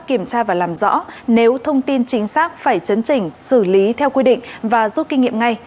kiểm tra và làm rõ nếu thông tin chính xác phải chấn chỉnh xử lý theo quy định và rút kinh nghiệm ngay